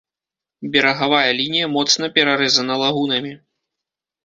Берагавая лінія моцна перарэзана лагунамі.